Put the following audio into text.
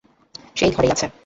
সে এই ঘরেই আছে।